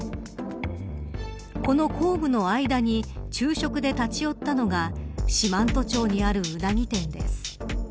この公務の間に昼食で立ち寄ったのが四万十町にあるうなぎ店です。